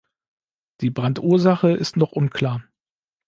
Die Brandursache ist noch unklar.